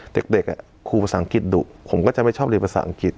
เด็กครูภาษาอังกฤษดุผมก็จะไม่ชอบเรียนภาษาอังกฤษ